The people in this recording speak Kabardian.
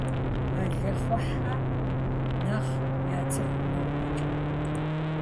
Мэлыхъуэхьэр нэхъ яцӀыху нобэкӀэ.